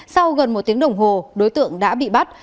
sau gần một tiếng đồng hồ đối tượng đã bị bắt